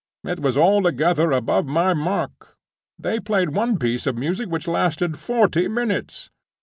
It was altogether above my mark. They played one piece of music which lasted forty minutes.